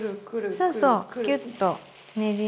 そうそうキュッとねじって。